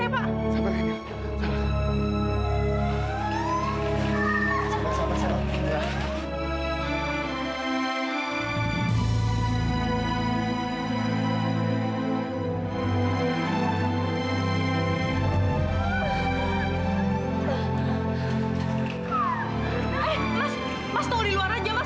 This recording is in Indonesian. eh mas mas tolong di luar aja mas